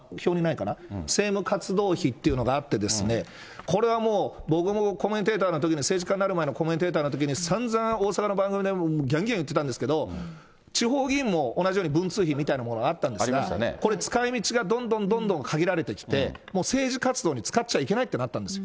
政務活動費っていうのがあって、これはもう、僕もコメンテーターのときに、政治家なる前のコメンテーターのときに、散々大阪の番組でぎゃんぎゃん言ってたんですけど、地方議員も同じように文通費みたいなものがあったんですが、これ、使いみちがどんどんどんどん限られてきて、もう政治活動に使っちゃいけないってなったんです。